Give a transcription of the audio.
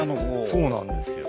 そうなんですよ。